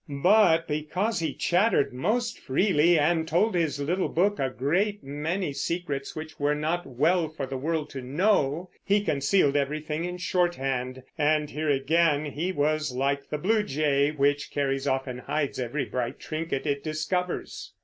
But because he chattered most freely, and told his little book a great many secrets which it were not well for the world to know, he concealed everything in shorthand, and here again he was like the blue jay, which carries off and hides every bright trinket it discovers.